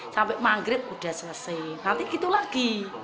sampai manggret sudah selesai nanti gitu lagi